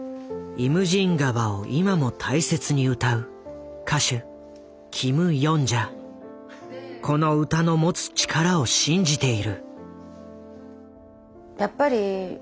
「イムジン河」を今も大切に歌うこの歌の持つ力を信じている。